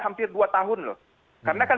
hampir dua tahun loh karena kan